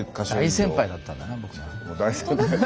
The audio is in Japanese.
大先輩だったんだな僕の。